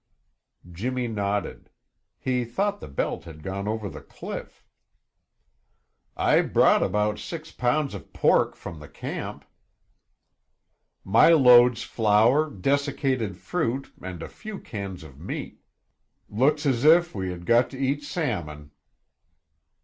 Jimmy nodded. He thought the belt had gone over the cliff. "I brought about six pounds of pork from the camp." "My load's flour, desiccated fruit, and a few cans of meat. Looks as if we had got to eat salmon."